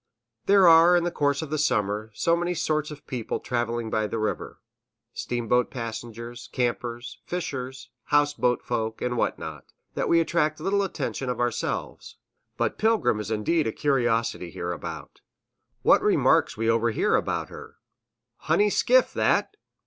There are, in the course of the summer, so many sorts of people traveling by the river, steamboat passengers, campers, fishers, house boat folk, and what not, that we attract little attention of ourselves, but Pilgrim is indeed a curiosity hereabout. What remarks we overhear are about her, "Honey skiff, that!"